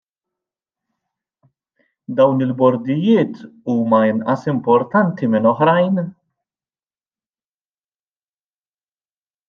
Dawn il-bordijiet huma inqas importanti minn oħrajn?